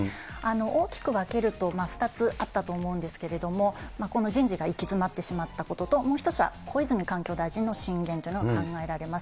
大きく分けると２つあったと思うんですけれども、この人事が行き詰まってしまったことと、もう一つは、小泉環境大臣の進言というのが考えられます。